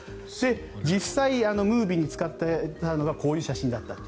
実際にムービーに使ったのがこういう写真だったと。